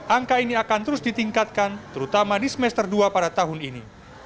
angka ini akan terus ditingkatkan terutama di semester dua pada tahun ini